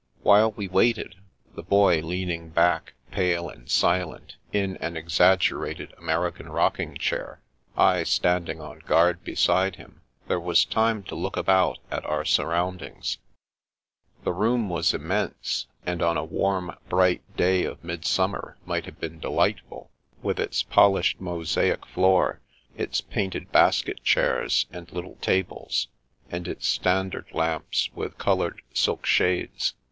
While we waited — the Boy leaning back, pale and silent, in an exaggerated American rocking chair, I standing on guard beside him — ^there was time to look about at our surroundings. 394 The Americans 295 The room was immense, and on a warm, bright day of midsummer might have been delightful, with its polished mosaic floor, its painted basket chairs and little tables, and its standard lamps with col oured silk shades.